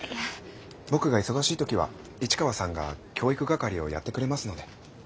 僕が忙しい時は市川さんが教育係をやってくれますので。